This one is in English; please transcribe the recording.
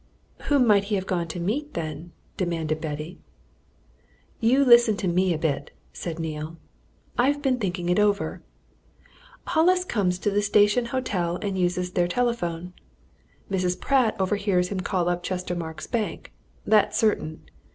"Whom might he have gone to meet, then?" demanded Betty. "You listen to me a bit," said Neale. "I've been thinking it over. Hollis comes to the Station Hotel and uses their telephone. Mrs. Pratt overhears him call up Chestermarke's Bank that's certain.